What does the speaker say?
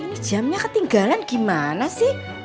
ini jamnya ketinggalan gimana sih